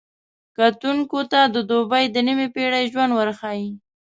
کتونکو ته د دوبۍ د نیمې پېړۍ ژوند ورښيي.